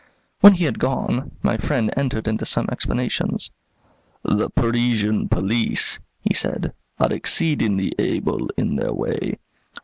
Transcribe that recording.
When he had gone, my friend entered into some explanations. "The Parisian police," he said, "are exceedingly able in their way.